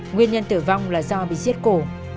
nguyên nhân tử vong là do bị giết cổ